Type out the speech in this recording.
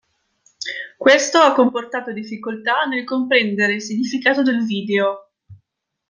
Questo ha comportato difficoltà nel comprendere il significato del video.